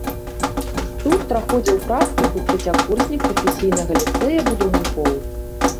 Тут праходзіў практыку трэцякурснік прафесійнага ліцэя будаўнікоў.